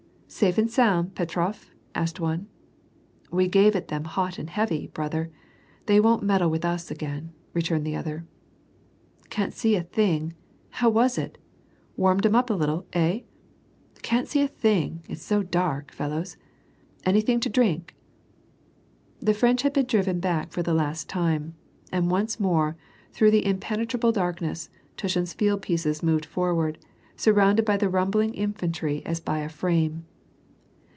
" Safe and sound, Petrof ?" asked one. " We gave it to them hot and heavy, brother. They won't meddle with us again." returned the other. "Can't see a thing. How was it? Warmed 'em up a little, hev ? Can't see a thing, it's so dark, fellows ! Anything to drink ?" The French had been driven back for the last time. And once more, through the impenetrable darkness, Tushin's field pieces moved forward, surrounded by the rumbling infantry as hy a frame.